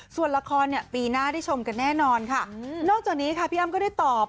ส่วนละครเนี่ยปีหน้าได้ชมกันแน่นอนค่ะนอกจากนี้ค่ะพี่อ้ำก็ได้ตอบ